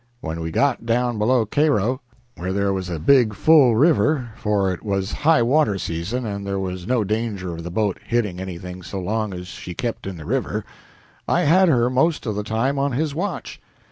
When we got down below Cairo, where there was a big, full river for it was high water season and there was no danger of the boat hitting anything so long as she kept in the river I had her most of the time on his watch.